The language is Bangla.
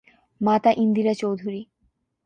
মাতা ইন্দিরা চৌধুরী।